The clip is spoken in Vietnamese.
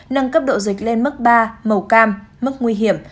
nâng cấp độ dịch lên mức ba màu cam mức nguy hiểm